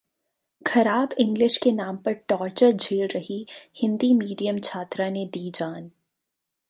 खराब इंग्लिश के नाम पर टॉर्चर झेल रही हिंदी मीडियम छात्रा ने दी जान